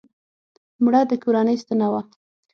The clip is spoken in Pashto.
مړه د کورنۍ ستنه وه